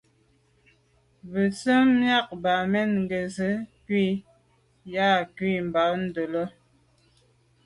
Mbə́zə́ myɑ̂k Bamen gə̀ yə́ ncʉ̂ gə̀ yá cú mbā ndə̂gə́lô.